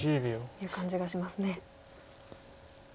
いう感じがしますね。